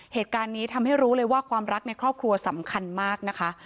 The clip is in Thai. เหตุการณ์นี้ทำให้รู้เลยว่าความรักในครอบครัวสำคัญมากนะคะ